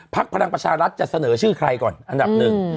พลังประชารัฐจะเสนอชื่อใครก่อนอันดับหนึ่ง